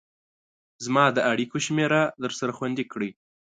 زما د اړيكو شمېره درسره خوندي کړئ